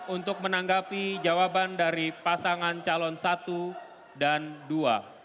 untuk menanggapi jawaban dari pasangan calon satu dan dua